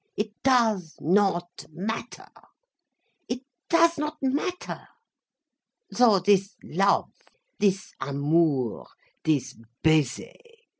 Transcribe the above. It does not matter, it does not matter. So this love, this amour, this baiser.